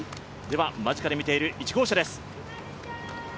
間近で見ている１号車です。